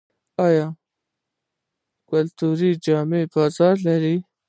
آیا کلتوري جامې بازار لري؟